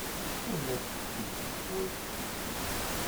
Tella tetteg lwajeb-nnes.